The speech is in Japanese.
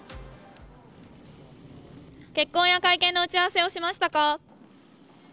結婚や会見の打ち合わせをしましたか？